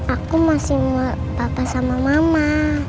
aku masih papa sama mama